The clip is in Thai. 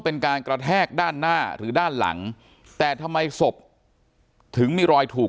เป็นการกระแทกด้านหน้าหรือด้านหลังแต่ทำไมศพถึงมีรอยถูก